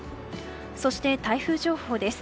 そして、台風情報です。